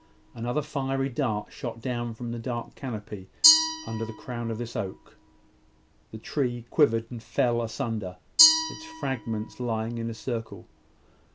Another fiery dart shot down from the dark canopy, upon the crown of this oak. The tree quivered and fell asunder, its fragments lying in a circle.